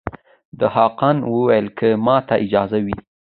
دهقان وویل که ماته اجازه وي